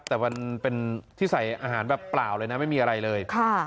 แต่มันเป็นที่ใส่อาหารแบบเปล่าเลยนะไม่มีอะไรเลย